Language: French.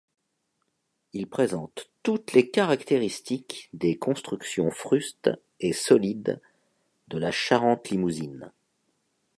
Il présente toutes les caractéristiques des constructions frustes et solides de la Charente limousine.